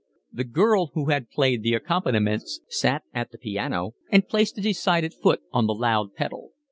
The girl who had played the accompaniments sat at the piano and placed a decided foot on the loud pedal.